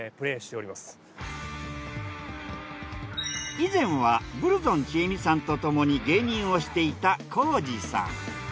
以前はブルゾンちえみさんとともに芸人をしていたコージさん。